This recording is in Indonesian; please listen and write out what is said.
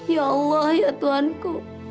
ya allah ya tuhan ku